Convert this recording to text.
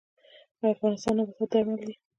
د افغانستان نباتات درمل دي